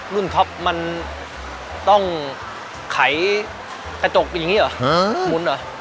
รุ่นท็อปมันต้องขายกระจกอย่างนี้เหรอหมุนเหรอ